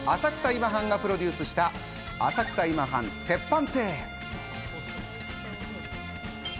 今半がプロデュースした、「浅草今半鉄板亭」。